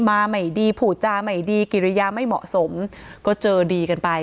มาไม่ดีผูจาไม่ดีกิริยาไม่เหมาะสมก็เจอดีกันไป